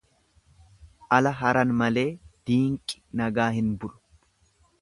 Ala haran malee diinqi nagaa hin bulu.